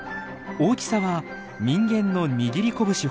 大きさは人間の握り拳ほど。